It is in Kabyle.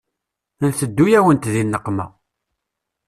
Nteddu-yawent di nneqma.